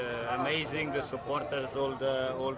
sepanjang masa semua penonton sangat senang untuk pembukaan ini